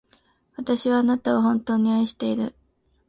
私はあなたを、本当に愛している。